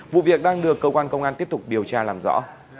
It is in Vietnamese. vụ việc đang được cơ quan công an tiếp tục điều tra làm rõ